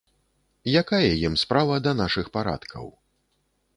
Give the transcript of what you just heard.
Якая ім справа да нашых парадкаў.